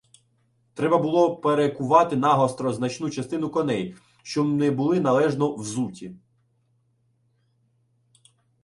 Треба було перековувати нагостро значну частину коней, що не були належно "взуті".